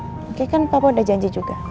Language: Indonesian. oke kan papa udah janji juga